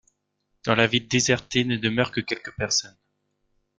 Dans la ville désertée ne demeurent que quelques personnes.